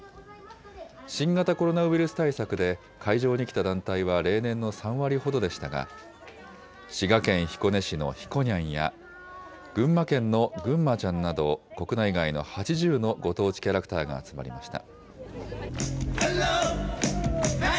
新型コロナウイルス対策で会場に来た団体は例年の３割ほどでしたが、滋賀県彦根市のひこにゃんや、群馬県のぐんまちゃんなど、国内外の８０のご当地キャラクターが集まりました。